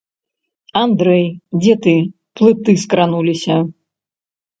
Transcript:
Андрэй, дзе ты, плыты скрануліся.